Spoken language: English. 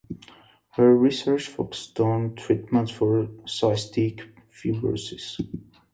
Her research focuses on treatments for cystic fibrosis.